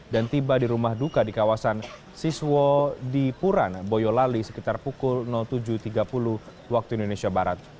dan tiba di rumah duka di kawasan siswo di puran boyolali sekitar pukul tujuh tiga puluh waktu indonesia barat